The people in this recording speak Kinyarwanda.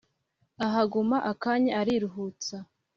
Ahaguma akanya ariruhutsa!